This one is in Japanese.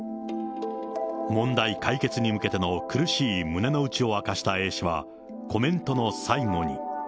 問題解決に向けての苦しい胸の内を明かしたＡ氏は、コメントの最後に。